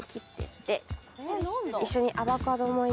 一緒に。